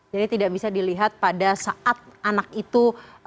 jadi tidak bisa dilihat pada saat anak itu